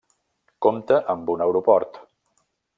Compta amb un aeroport.